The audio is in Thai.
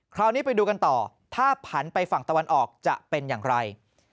คราวนี้ไปดูกันต่อถ้าผันไปฝั่งตะวันออกจะเป็นอย่างไร